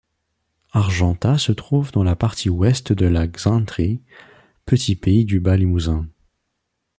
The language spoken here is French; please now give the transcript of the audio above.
Argentat se trouve dans la partie ouest de la Xaintrie petit pays du Bas-Limousin.